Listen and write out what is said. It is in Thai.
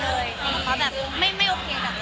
มันเหมือนกับมันเหมือนกับมันเหมือนกับ